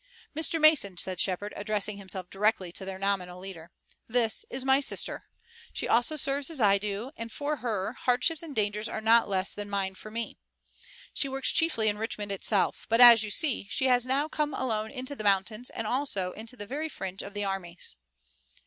"Mr. Mason," said Shepard, addressing himself directly to their nominal leader. "This is my sister. She also serves as I do, and for her, hardships and dangers are not less than mine for me. She works chiefly in Richmond itself. But as you see, she has now come alone into the mountains, and also into the very fringe of the armies."